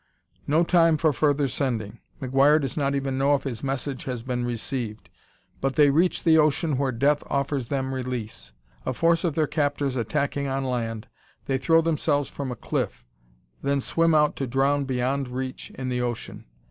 No time for further sending McGuire does not even know if his message has been received but they reach the ocean where death offers them release. A force of their captors attacking on land, they throw themselves from a cliff, then swim out to drown beyond reach in the ocean.